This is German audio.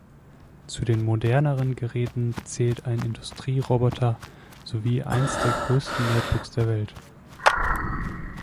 Zu den moderneren Geräten zählt ein Industrieroboter sowie eins der größten Notebooks der Welt.